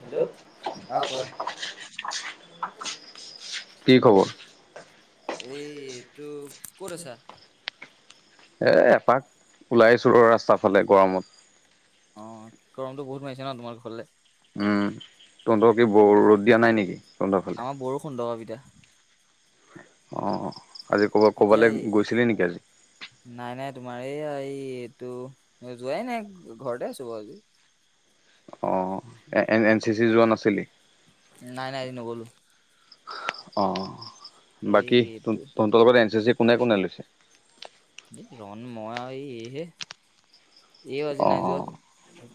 Hello অ কোৱা কি খবৰ? এইটো ক'ত আছা? এ এপাক ওলাইছো ৰ ৰাস্তা ফালে গৰমত। অ' গৰমটো বহুত মাৰিছে ন তোমালোকৰ ফালে? উম, তহঁতৰ কি ৰ'দ দিয়া নাই নেকি তহঁতৰ ফালে? আমাৰ বৰষুণ দবাব এতিয়া অ' আজি ক'ৰবাত এতিয়া ক'বালে এই গৈছিলি নেকি আজি? নাই, নাই তোমাৰ এই এই এইটো যোৱাই নাই ঘৰতে আছো বাৰু আজি। অঁ। এন এন চি চি যোৱা নাছিলি? নাই, নাই আজি নগ'লো। অ' এই বাকী এইটো তহঁতৰ লগত এন চি চি কোনে কোনে লৈছে? ৰন, মই আৰু এইহে, এইও আজি নাই যোৱা।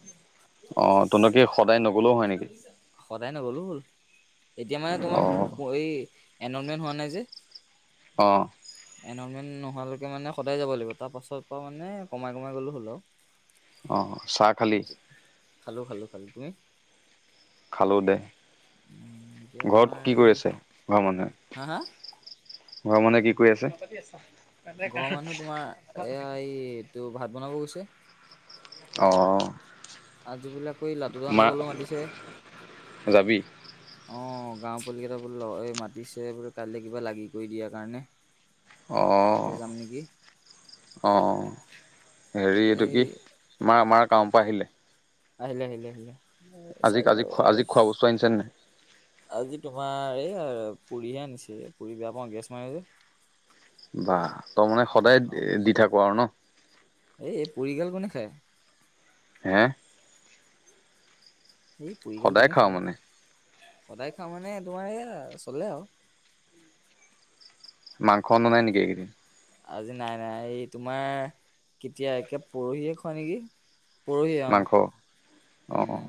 অঁ তহঁতৰ কি সদায় নগ'লেও হয় নেকি? সদায় নগ'লেও হ'ল এতিয়া মানে তোমাৰ অ', এই এনমেণ্ট হোৱা নাই যে অ' এনমেণ্ট নোহোৱালৈকে মানে সদায় যাব লাগিব তাৰ পাছৰ পৰা মানে কমাই কমাই গ'লেও হ'ল আৰু অ', চাহ খালি? খালো খালো খালো তুমি খালো দে উম, এতিয়া তোমাৰ ঘৰত কি এই কৰি আছে ঘৰৰ মানুহে হা হা ঘৰৰ মানুহে কি কৰি আছে ঘৰৰ মানুহে তোমাৰ এয়া এইটো ভাত বনাব গৈছে অ' আজি বোলে আকৌ লাটুবা মা হতঁৰ ঘৰলে মাতিছে যাবি? অ' গাঁৱৰ পোৱালি কেইটা বোলে এই মাতিছে বোলে কাইলে কিবা লাগি কৰি দিয়াৰ কাৰণে [inaudible] তাতে অ' যাম নেকি অ' হেৰি তাতে এইটো এই কি মা মা কামৰ পৰা আহিলে আহিলে আহিলে আহিলে আজি চাৰিটা আজি খোৱা আজি খোৱা বস্তু আনিছে নে নাই আজি তোমাৰ এই পুৰিহে আনিছে পুৰি বেয়া পাওঁ গেছ মাৰে যে বাহ তই মানে সদায় নাখাওঁ দি থাক আৰু ন এই পুৰিগাল কোনে খায় হে এই পুৰিগাল সদায় কোনে খাওঁ খায় মানে সদায় খাওঁ মানে তোমাৰ এয়া চলে আৰু মাংস অনা নাই নেকি এইকেইদিন আজি নাই নাই এই তোমাৰ কেতিয়া একে পৰহিয়ে খোৱা নেকি পৰহিৱে অ মাংস অ উম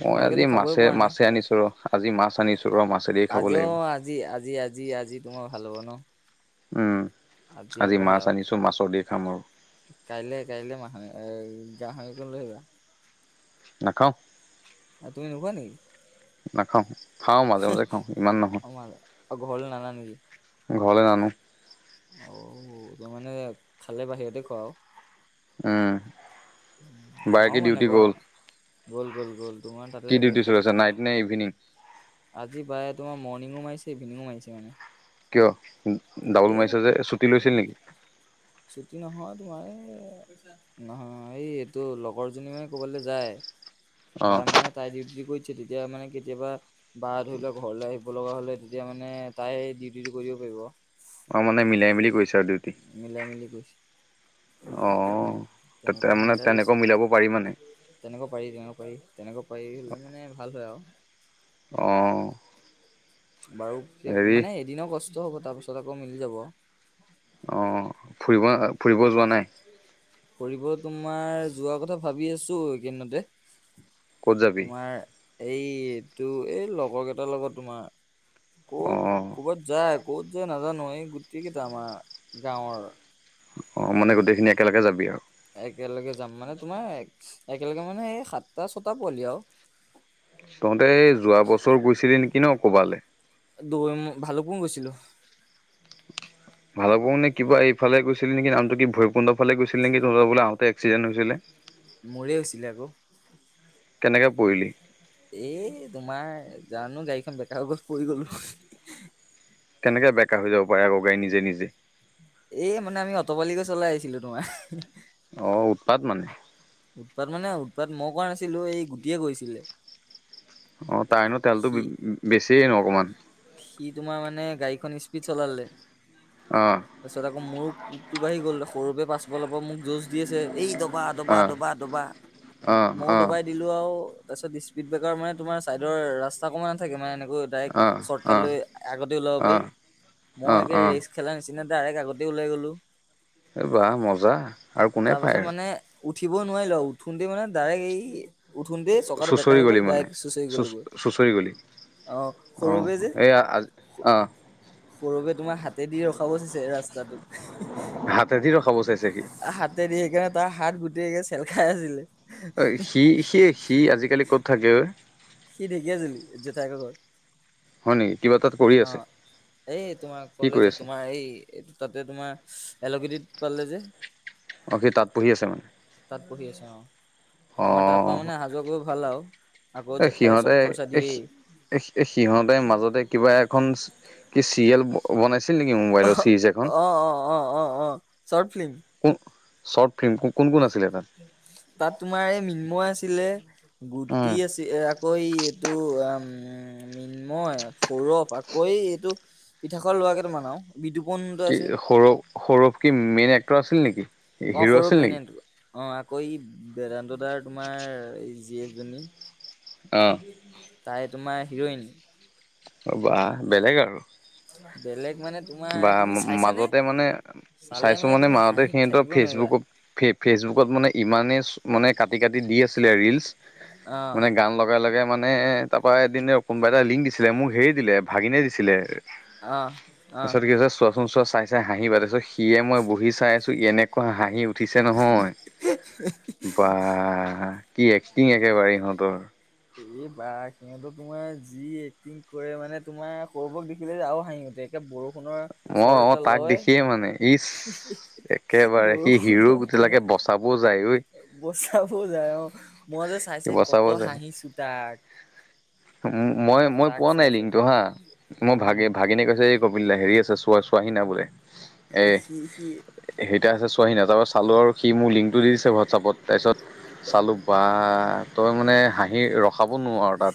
মই তোমালোকেতো আজি খাবই মাছে পৰা নাই মাছে আনিছো ৰ আজি মাছ আনিছো ৰ মাছেদিয়ে খাব আজি অ লাগিব আজি আজি আজি আজি তোমাৰ ভাল হ'ব ন উম আজি পৰা মাছ সেয়া আনিছো মাছৰ দি খাম ৰ কাইলে কাইলে মাহ এ গাহৰি অকন লৈ আহিবা নাখাওঁ তুমি নোখোৱা নেকি নাখাওঁ খাওঁ মাজে মাজে খাওঁ ইমান নহয় তই ঘৰলে নান নেকি ঘৰলৈ নানো অ' তই মানে খালে বাহিৰতে খোৱা আৰু উম আমাও বায়েকে নানে ডিউটি বাও গ'ল গ'ল গ'ল গ'ল তোমাৰ তাতে কি থাকে ডিউটি চলি আছে নাইট নে ইভিনিং আজি প্ৰায় তোমাৰ মৰ্ণিঙো মাৰিছে ইভিনিঙো মাৰিছে মানে কিয় ডাবুল এই মাৰিছ যে ছুটি লৈছিলি নেকি ছুটি নহয় তোমাৰ এয়া নহয় অ' এই এইটো লগৰ জনী মানে ক'ৰবালৈ যায় অ বাৰ মানে তাইৰ ডিউটিটো কৰি দিছে তেতিয়া মানে কেতিয়াবা বা ধৰি লোৱা ঘৰলৈ আহিব লগা হ'লে তেত তেতিয়া মানে তাই ডিউটিটো কৰি দিব পাৰিব অ' মানে মিলাই মিলি কৰিছে আৰু দুইটা মিলাই মেলি কৰিছে অ' তাতে মানে তেনেকে মিলাব পাৰি মানে তেনেকে পাৰি তেনেকে পাৰি তেনেকে পাৰি মানে ধৰি ল‌‌ মানে ভাল হয় আৰু অ' বাৰু হেৰি মানে এদিনৰ কষ্ট হ'ব তাৰ পিছত আকৌ মিলি যাব অ ফুৰিব ফুৰিব যোৱা নাই? ফুৰিব তোমাৰ যোৱা কথা ভাবি আছো এইকেইদিনতে। ক'ত যাবি তোমাৰ এইটো এই লগৰ কেইটাৰ লগত তোমাৰ অ ক'ত ক'বাত যায় ক'ত যায় নাজানো এই গুটেই কেইটা আমাৰ গাঁৱৰ অ মানে গোটেইখিনি একেলগে যাবি আৰু। একেলগে যাম মানে তোমাৰ একেলগে মানে এই সাতটা-ছটা পোৱালি আৰু। তহঁতে যোৱা বছৰ গৈছিলি নেকি ন কবালে। দৈ মু ভালোকোং গৈছিলো। ভালকং নে কিবা এইফালে গৈছিলি নেকি নামটো কি ভৰিকুণ্ডফালে গৈছিলি নেকি তহঁতৰবোলে আহোতে এক্সিডেণ‌ হৈছিলে। মোৰে হৈছিলে আকৌ। কেনেকৈ পৰিলি? এ তোমাৰ জানো গাড়ীখন বেকা‌ হৈ গ'ল পৰি গ'লো। কেনেকে বেকা হৈ যাব পাৰে আকৌ গাড়ী নিজে নিজে। এই মানে আমি অটপালিকে চলাই আহিছিলো তোমাৰ। অ উৎপাত মানে। উৎপাত মানে উৎপাত মই কৰা নাছিলো এই গুটিয়ে কৰিছিলে। অ তাইন তেলতো সি বেছিয়ে ন অকমান। সি তোমাৰ মানে গাড়ীখন স্পীড চলালে। অ। তাৰ পিছত আকৌ মোৰো [unintelligible] বাঢ়ি গ'ল সৰুকে পাছফালৰ পৰা মোক যৌছ দি আছে, এই অ দবা-দবা-দবা-দবা। অ ময়ো অ দবাই দিলো আৰু তাৰপিছত স্পীড ব্ৰেকাৰ মানে তোমাৰ চাইডৰ ৰাস্ত কমা থাকে মানে এনেকৈ অ ডাইৰেক্ট অ শ্বৰ্টকাট লৈ আগতে ওলাব পাৰি, অ', ময়ো অ', একে অ', ৰেছ খেলা নিচিনা ডাইৰেক্ট আগতে ওলাই গ'লো। এ‌‌ বা মজা। আৰু কোনে পায় তাৰপিছত আৰু মানে উঠিবও নোৱাৰিলো, উঠোতে মানে ডাইৰেক্ট এই উঠোন তেই চকাটো বেকা হৈ গ'ল ডাইক চুঁচৈ গ'লগৈ। পৰি গলি, অ এইয়া আজি অ গৌৰবে তোমাৰ হাতে দিয়ে ৰখাব চিছে ৰাস্তাটোত। হাতেদি ৰখাব চাইছে সি। হাতে দিয়ে সেইকাৰণে তাৰ হাত গোটেই চেলখাই আছিলে। অ সি-সি-সি আজিকালি ক'ত থাকে ঐ? সি ঢেকীয়া জুলিত জোঠাইক ঘৰত। হয় নেকি কিবা তাত কৰি অ আছে এই তোমাৰ কি কৰি কলেজত আছে? তোমাৰ এই এই তাতে তোমাৰ এলকিটিত পালে যে অ সি তাত পঢ়ি আছে মানে। তাত পঢ়ি আছে অ, তোমাৰ তাৰ পা অ', মানে অহা যোৱা কৰি ভাল আও আকৌ যে সিহঁতে এই এ এই সিহঁতে মাজতে কিবা এখন কি চিৰিয়েল বনাইছে ছিল নেকি মোবাইলৰ চিজ অ এখন। অ অ অ অ চৰ্ট ফ্লিম কোন, শ্বৰ্ট ফিল্ম কোন কোন আছিলে তাত? তাত তোমাৰ এই মিন্ময় আছিলে, গুটি উম। আছিল এ কঐ এটো মৃন্ময় সৌৰভ আকৌ এইটো পিঠাখোৱা লোৱাকেইটা মান আও। বিতুপনটো কি আছে। সৌৰভ সৌৰভ কি মেইন এক্টৰ আছিল নেকি অ হিৰো সৌৰভ আছিল মেইন নেকি? এ অ আকৌ এই বেদান্ত দাৰ তোমাৰ এই জি এফ জনী তাই তোমাৰ হিৰইন অ' বাহ বেলেগ আৰু বেলেগ মানে তোমাৰ বা তুমি চাইছানে? মাজতে মানে চালে চাইছোঁ মানে তুমি মাহতে হাঁহিত সিহঁতৰ থাকিব নোৱাৰিবা ফেচবুকত ফে ফেচবুকত মানে ইমানেই মানে কাটি কাটি দি আছিলে ৰিলচ অ', মানে গান লগাই লগাই মানে তাপা এদিন কোনোবা এটা লিংক দিছিলে মোক হেৰি দিলে ভাগিনে দিছিলে অঁ তাৰপিছত কি কৈছে চোৱাচোন চোৱা চাই চাই হাঁহিবা তাৰপিছত সিয়ে মই বহি চাই আছোঁ এনেকুৱা হাঁহি উঠিছে নহয় এ হে বা কি এক্টিং একেবাৰে ইহঁতৰ এই বাহ সিহঁতে তোমাৰ যি এক্টিং কৰে মানে তোমাৰ সৌৰবক দেখিলে যে আও হাঁহি উঠে এতিয়া বৰষুণৰ অ চৰ্ট অ এটা তাক লয় দেখিয়ে মানে ইচ একেবাৰে সি হিৰো বৰষুণত গোটেইলাকে তোমাৰ বচাবও যায় ঐ বচাব যায় অ মই যে চাই সি চাই বচাব কতৰ যায় হাঁহিছো তাক মই মই তাক পোৱা নাই চাই চাই লিংকটো হা মই উম। ভাগি ভাগিনে কৈছে এই কপিল দা হেৰি চোৱা চোৱা হিনা বোলে সি সি সেইতা আছে চোৱাহি না তাৰপিছত চালো আৰু সি মোৰ লিংক দি দিছে হোৱাটছআপত তাৰপিছত চালোঁ বা তই মানে হাঁহি ৰখাব নোৱাৰ আৰু তাত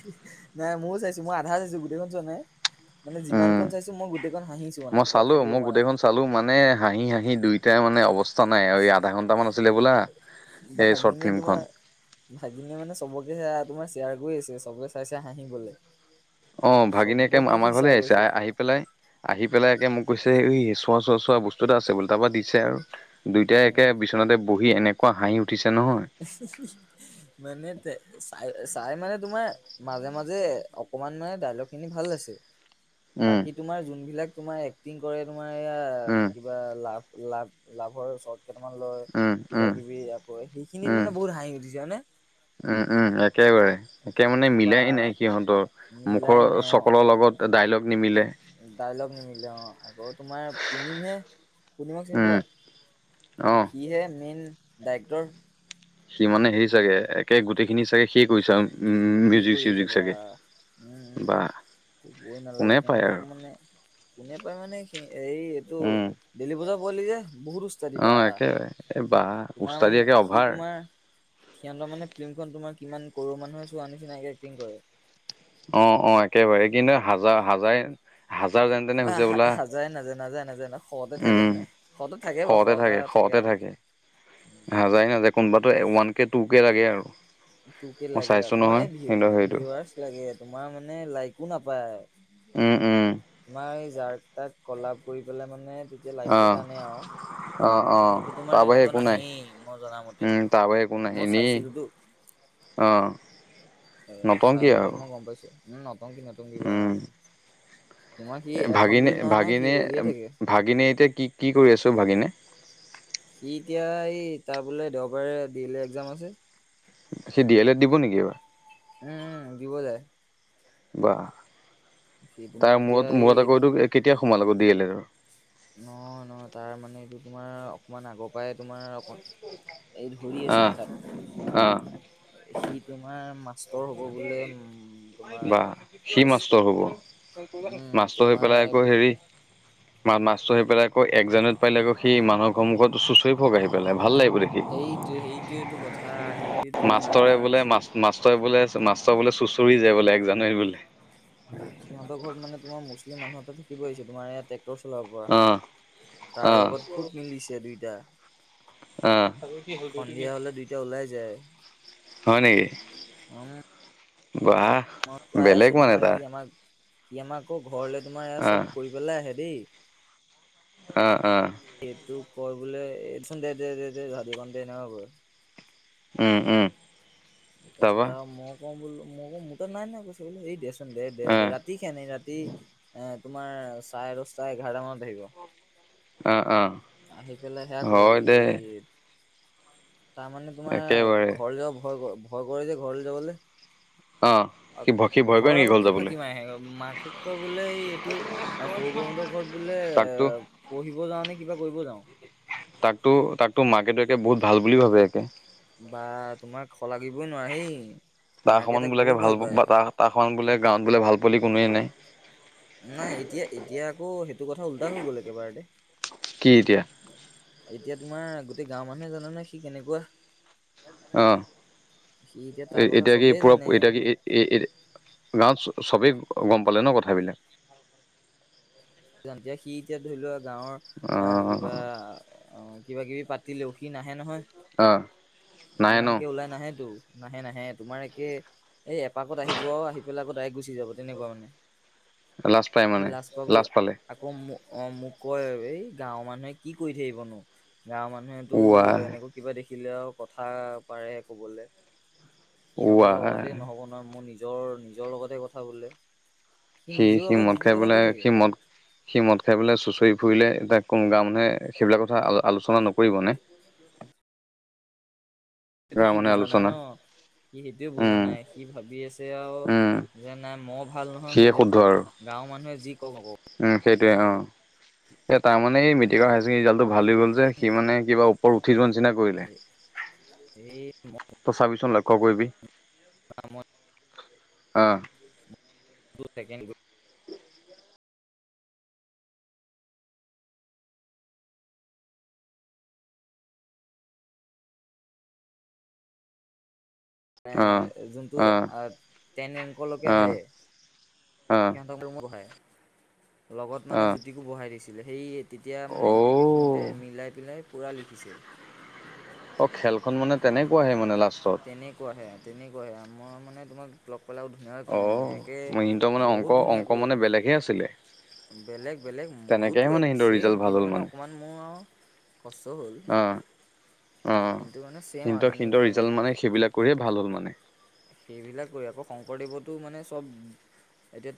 নাই ময়ো চাইছো মই আধা চাইছো গোটেইখন চোৱা নাই মানে যিমান উম কণ চাইছো মই গোটেইখন হাঁহিছো মানে মই পুৰা চালো থাকিব মই পৰা নাই গোটেইখন চালো মানে হাঁহি হাঁহি দুইোটাই মানে অৱস্থা ত নাই আৰু আধা ঘণ্টামান আছিলে বোলা এই চৰ্ট ভাগিনীয়ে তোমাৰ ফিল্মখন ভাগিনীয়ে মানে চবকে তোমাৰ শ্বেয়াৰ কৰি আছে চবই চাই চাই হাঁহিবলৈ অ ভাগিনীয়েকে আমাৰ ঘৰলে আহিছে কৰিছে আহি পেলাই আহি পেলাই একে মোক কৈছে এই চোৱা চোৱা চোৱা বস্তু এটা আছে বোলে তাৰপৰা দিছে আৰু দুইটাই উম, একে বিচনাতে বহি এনেকোৱা হাঁহি উঠিছে নহয় মানে চাই চাই মানে তোমাৰ মাজে মাজে অকমান মানে ডাইলগ খিনি ভাল লাগিছিল উম, বাকী তোমাৰ যোনবিলাক তোমাৰ এক্টিং কৰে তোমাৰ এয়া উম, কিবা লাভ লাভ লাভৰ শ্বৰ্ট কিটামান লয় উম, কিবা উম, কিবি আকৌ সেই তিনদিন উম, মানে বহুত হাঁহি উঠিছে হয়নে উম উম একেবাৰে তে মানে বা মিলাই নাই সিহঁতৰ মিলাই মুখৰ নাই অ'। চকলৰ লগত ডাইলগ নিমিলে ডাইলগ নিমিলে অ আকৌ তোমাৰ পূৰ্ণিমহে পুৰ্ণিমক চিনি উম, পোৱা অ'। সিয়ে মেইন ডাইৰেক্টৰ সি মানে সেই চাগে একে গোটেইখিনি চাগে সিয়ে কৰিছে সি মিউজিক কৰি আছে চিউজিক বা চাগে উম বা ক'বই নালাগে কোনে পায় সিহঁতক আৰু মানে কোনে পাই মানে সি এই টো উম, দেইলী বজাৰ পোৱালি যে বহুত উস্তাদি বা অ', একেবাৰে এই বা তোমাৰ উস্তাদি মানে একে সি অভাৰ। তোমাৰ সিহঁতৰ মানে ফিল্মখন তোমাৰ কিমান কৰুৰ মানুহে চোৱা নিচিনাকে এক্টিং কৰে। অ- অ, একেবাৰে কিন্তু হাজাৰ- হাজাৰ হাজাৰ যেন তেনে অ, হৈছে বোলা নাযায়- নাযায়- নাযায়- নাযায় ন, শতে থাকে। উম, নাই শহতে থাকে বাৰু, শটা থাকে আৰু। হাজাৰে নাযায়। কোনোবাতো ওৱান কে টু কে লাগে আৰু। টু কে মই লাগে চাইছো আৰু। তোমাৰ নহয় এই কিন্তু ভি- সেইটো ভিউৱাৰচ তোমাৰ মানে লাইকো নাপায়। উম, উম, তোমাৰ এই যাৰ তাক কলা কৰি পেলাই মানে, তেতিয়া লাইক অ', কেইটা আনে আৰু। অ', অ', এনেইতো তোমাৰ তাৰ বাহিৰে তেনেকোৱা একো নাই। নাহেই। মই জনা মতে উম, তাৰ বাহিৰে একো নাই মই এনেই চাইছিলোতো অ। এ নতংকি চাওঁতে আৰু মই গম পাইছো ন, নতংকি- নতংকি বা তোমাৰ সি এ এখন বুলি ভাগিনে- নহয় নহয় সি ভাগিনে- উলিয়াই থাকে ভাগিনে এতিয়া কি কি কৰি আছে অ, ভাগিনে। সি এতিয়া এই তাৰ বোলে দেওবাৰে ডি এল এড এক্সাজাম আছে। সি ডি এল এড দিব নেকি এইবাৰ? উম, দিব যায়। বা সি তোমাৰ তাৰ এতিয়া মূৰত- এই মূৰত আকৌ এইটো কেতিয়া সোমাল আকৌ ডি এল এডৰ। নহয়- নহয় তাৰ মানে এইটো তোমাৰ অকমান আগৰ পৰাই তোমাৰ এই ধৰি আছে অ', অ', মাথাতো। সি তোমাৰ মাছ তোৰ হ'বলে উম, বা তোমাৰ সি মাষ্টৰ হ'ব পইচা উম মাষ্টৰ হৈ পেলাই তোমাৰ আকৌ হেৰি মা মাষ্টৰ হৈ পেলাই আকৌ, এক জানুৱাৰীত পাৰিলে আকৌ সি মানুহৰ সন্মুখতো তই ভক আহি পেলাই ভাল লাগিব দেখি। সেইটোৱেতো কথা, সেইটোৱেতো কথা। তোমাৰ যি হয় বোলে মাষ্টৰ বোলে চুঁচৰি যায় বোলে। এক জানুৱাৰী বুলি। সিহঁতৰ ঘৰত মানে তোমাৰ মুছলিম মানুহ এটা থাকিব আহিছে, তোমাৰ ইয়াতে। অটো চলাব পৰা, অ অ তাৰ লগত খোব মিলিছে দুইটা। অ সন্ধিয়া হ'লে দুইটা ওলাই যায়। হয় নেকি? বাহ! অ, পাই বেলেগ আছো, মানে তোমাৰ তাৰ সি আমাক সি আমাক আকৌ ঘৰলৈ তোমাৰ এ অ চব কৰি পেলাই আহে দেই। অ- অ। এইটো কয় বোলে এইচোন দে- দে- দে এনেকা কয়। উম- উম। তাৰপা তাৰপিছত আৰু মই কওঁ বোলো, মই কওঁ মোৰ তাত নাই নহয় কৈছে বোলে। এই দেচোন। ন, দে- দে- অ দে ৰাতি খেনে ৰাতি এ তোমাৰ চাৰে দহটা, এঘাৰটা মানত আহিব। অ- অ। আহি পেলাই সেয়া কয়হি, হয় দে এই তাৰমানে তোমাৰ একেবাৰে ঘৰলৈ যাব ভয়- ভয় কৰে যে ঘৰলৈ যাবলৈ। অ, আ- কি ভয় কৰে ঘৰৰ নেকি আকৌ ঘৰত কি যাবলৈ ফাঁকি মাৰে, আহে মাকে কয় বোলে এই এইটো আৰু সৰু বমতৰ ঘৰত বোলে, এ তাকতো পঢ়িব যাওঁ নে কিবা কৰিব যাওঁ। তাকো- তাকতো মাকহেতে বহুত ভাল বুলি ভাবে। একে বা তোমাক খলাগিবই নোৱাৰি। এই তাৰ সমমান বোলোকে ভাল বা ত, তাৰমান বোলে গাওঁত বোলে, ভাল পোৱালী কোনোৱেই নাই। নাই এতিয়া- এতিয়া আকৌ সেইটো কথা উল্টা হৈ গ'ল একেবাৰেতে। কি এতিয়া? এতিয়া তোমাৰ গোতেই গাঁওৰ মানুহে জানে ন, সি কেনেকুৱা। অ' সি এতিয়া এ, তাৰ কথা এতিয়া কি চবেই পূৰা জানে এতিয়া কি এই- এই গাঁৱত চ-চবেই গম পালে ন, কথাবিলাক? [unintelligible] এতিয়া সি এতিয়া ধৰি লোৱা গাঁৱৰ এ কিবা অ', অ' কিবা-কিবি পাতি লেওঁ সি নাহে নহয়, অ', নাই ন ইমানকে ওলাই নাহে তো। নাহে, নাহে তোমাৰ একে এই এপাকত আহিব আহি পেলাই আকৌ ডাইৰেক্ট গুচি যাব। তেনেকুৱা মানে, লাজ পাই সি মানে লাজ পাবল পালে আকৌ মোক অ' মোক কয়, এই গাঁৱৰ মানুহে কি কৰি থাকিবনো। গাঁৱৰ মানুহেতো ৱাই এনেকৈ কিবা দেখিলে আৰু কথা পাৰে ক'বলে। সিহঁতৰ ৱাই লগতে নহ'ব নহয়, মোৰ নিজৰ, নিজৰ লগতে কথা বোলে। সি, নিজেও সি আগত যি মদ টি খাই কথা বোলে কৈ থাকে সি মদ সি মদ খাই পেলাই চুঁচৰি ফুৰিলে এতিয়া কোনো গাওঁ মানুহে সেইবিলাক কথা আলোচনা নকৰিব নে? সিটো গাঁৱৰ সি মানুহে বুজা নাই ন, আলোচনা সি সেইটোয়ে বুজা উম, নাই, সি ভাবি আছে আওঁ উম, যে নাই মইয় ভাল নহয় সিয়ে হৈ যাব, শুদ্ধ আৰু গাঁওৰ মানুহে যি কওঁক [unintelligible] উম, সেইটয়ে অ' এ তাৰ মানে এই মেট্ৰিকৰ হায়াৰ ছেণ্ডাৰী ৰিজাল্টটো ভাল সি হৈ গ'ল যে সি মানে কিবা উপ উপৰ উঠি যোৱা নিচিনাই কৰিল। হে ত'চাবিচোন লক্ষ্য কৰিবি। [inaudible] অ', [unintelligible] [unintelligible] যোনটো অ আ, টেন এংকলকে আহে অ অ সিহঁত [unintelligible] বহাই, লগত মানে জ্যোতিকো বহাই দিছিলে সেই তেতিয়া মানে একে সিন্তে অ' মিলাই পেলাই পূৰা লিখিছে। অ' খেলখন মানে তেনেকুৱাহে মানে লাষ্টত। তেনেকুৱাহে, তেনেকুৱাহে আৰু মই মানে তোমাক লগ পালেওঁ ধুনীয়াকৈ অ ক'ম মানে একে, সিহঁতৰ মানে অংক বহুত অংক ধুনীয়াকৈ মানে বেলেগহে আছিলে বেলেগ, বেলেগ তেনেকেহে মোৰোতো মানে এক সিহঁতৰ ৰিজাল্ট ছেইম ভাল হ'ল কিন্তু মানে, অকমান মোৰ আৰু কষ্ট হ'ল। কিন্তু মানে ছেইম আৰু অ'সিন্ত, সিন্ত তেনেকুৱাই মাত ৰিজাল্ট মানে সেইবিলাক কৰিয়ে ভাল হ'ল মানে। সেইবিলাক কৰি আকৌ শংকৰদেৱতো মানে চব এতিয়াটো